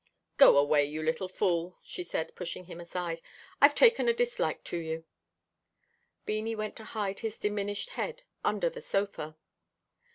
"Go away, you little fool," she said pushing him aside. "I've taken a dislike to you." Beanie went to hide his diminished head under the sofa.